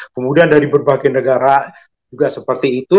kemudian dari berbagai negara juga seperti itu